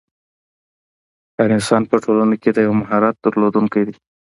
هر انسان په ټولنه کښي د یو مهارت درلودونکی دئ.